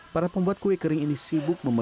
para pembuat kue kering ini sibuk memanfaatkan